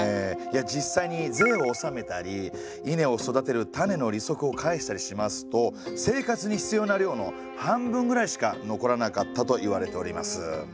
実際に税を納めたり稲を育てる種の利息を返したりしますと生活に必要な量の半分ぐらいしか残らなかったといわれております。